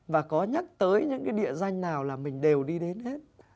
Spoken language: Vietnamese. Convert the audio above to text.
và có nhắc tới những cái địa danh nào là mình đều đi đến hết